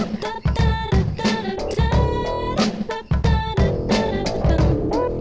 kecuali seorang pemain kota